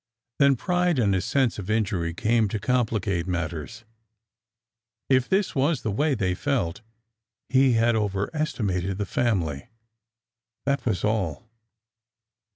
Then pride and a sense of injury came to complicate matters. If this was the way they felt, he had overesti mated the family— that was all